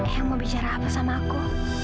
yang mau bicara apa sama aku